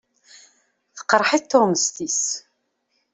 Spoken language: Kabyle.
Tqeṛṛeḥ-it tuɣmest-is.